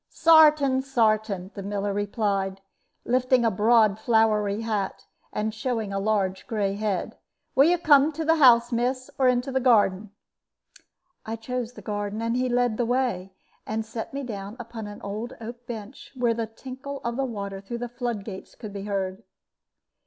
"Sartain! sartain," the miller replied, lifting a broad floury hat and showing a large gray head. "Will you come into house, miss, or into gearden?" I chose the garden, and he led the way, and set me down upon an old oak bench, where the tinkle of the water through the flood gates could be heard.